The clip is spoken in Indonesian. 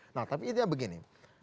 nah tapi intinya begini